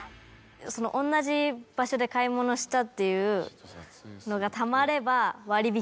同じ場所で買い物したっていうのがたまれば。